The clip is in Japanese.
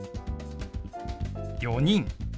「４人」。